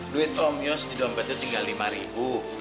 duit om yos di dompet itu tinggal lima ribu